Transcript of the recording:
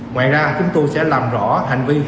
ngoài ra chúng tôi sẽ làm rõ hành vi